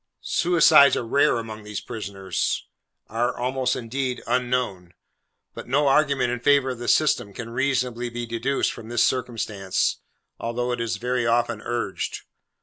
Suicides are rare among these prisoners: are almost, indeed, unknown. But no argument in favour of the system, can reasonably be deduced from this circumstance, although it is very often urged.